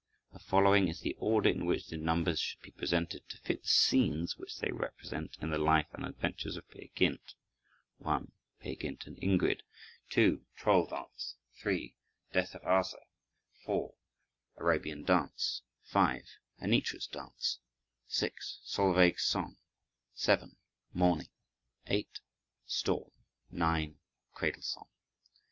The following is the order in which the numbers should be presented to fit the scenes which they represent in the life and adventures of Peer Gynt: (1) Peer Gynt and Ingrid; (2) Troll Dance; (3) Death of Ase; (4) Arabian Dance; (5) Anitra's Dance; (6) Solveig's Song; (7) Morning; (8) Storm; (9) Cradle Song.